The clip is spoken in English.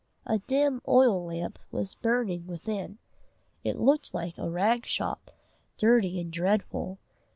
A dim oil lamp was burning within. It looked like a rag shop, dirty and dreadful.